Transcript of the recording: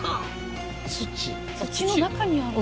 土の中にあるんだ。